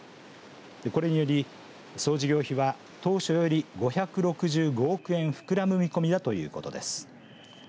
これにより総事業費は当初より５６５億円膨らむ見込みだということです。